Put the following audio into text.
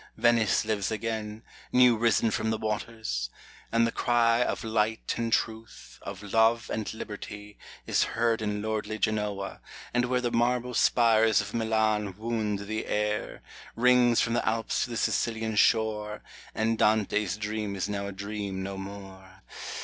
Venice lives again, New risen from the waters 1 and the cry Of Light and Truth, of Love and Liberty, Is heard in lordly Genoa, and where The marble spires of Milan wound the air, Rings from the Alps to the Sicilian shore, And Dante's dream is now a dream no more.